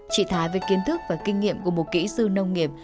chị thái về kiến thức và kinh nghiệm của một kỹ sư nông nghiệp